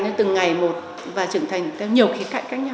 nên từng ngày một và trưởng thành theo nhiều khía cạnh khác nhau